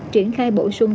triển khai bổ sung